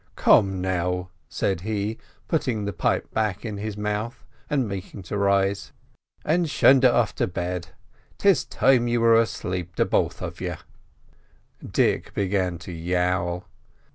"Come now," said he, putting the pipe back in his mouth, and making to rise, "and shadda off to bed; it's time you were aslape, the both of you." Dick began to yowl.